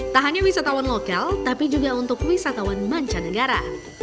tak hanya wisatawan lokal tapi juga untuk wisatawan mancanegara